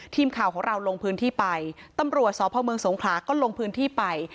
ทีมข่าวของเราลงพื้นที่ไปตำรวจสพเมืองสงขลาก็ลงพื้นที่ไป